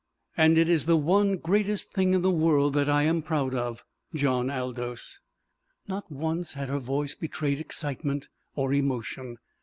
And it is the one greatest thing in the world that I am proud of, John Aldous!" Not once had her voice betrayed excitement or emotion.